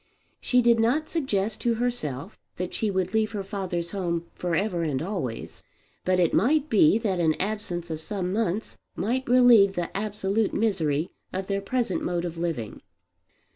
She did not suggest to herself that she would leave her father's home for ever and always; but it might be that an absence of some months might relieve the absolute misery of their present mode of living.